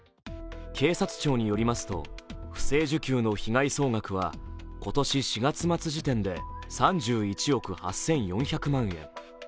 警察庁によりますと、不正受給の被害総額は今年４月末時点で３１億８４００万円。